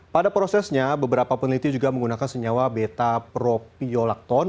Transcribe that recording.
pada prosesnya beberapa peneliti juga menggunakan senyawa beta propiolactone